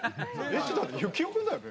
ちょっと待って、行雄君だよね。